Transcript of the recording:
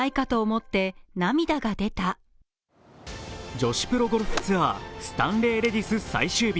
女子プロゴルフツアー、スタンレーレディス最終日。